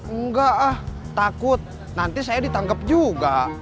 enggak ah takut nanti saya ditangkap juga